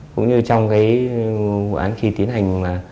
cũng như trong vụ án khi tiến hành